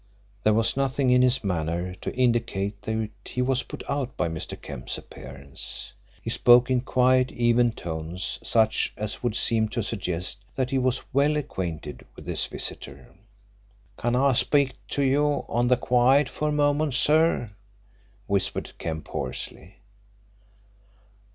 There was nothing in his manner to indicate that he was put out by Mr. Kemp's appearance. He spoke in quiet even tones such as would seem to suggest that he was well acquainted with his visitor. "Can I speak to you on the quiet for a moment, sir?" whispered Kemp hoarsely.